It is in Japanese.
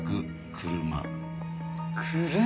車。